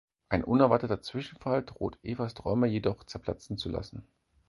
Ein unerwarteter Zwischenfall droht Evas Träume jedoch zerplatzen zu lassen.